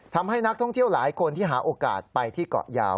ทำให้นักท่องเที่ยวหลายคนที่หาโอกาสไปที่เกาะยาว